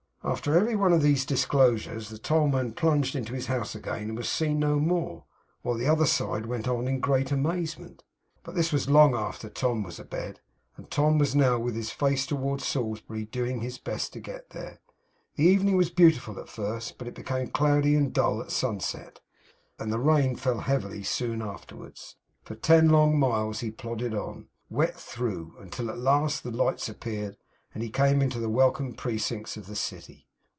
After every one of these disclosures, the tollman plunged into his house again, and was seen no more, while the other side went on in great amazement. But this was long after Tom was abed, and Tom was now with his face towards Salisbury, doing his best to get there. The evening was beautiful at first, but it became cloudy and dull at sunset, and the rain fell heavily soon afterwards. For ten long miles he plodded on, wet through, until at last the lights appeared, and he came into the welcome precincts of the city.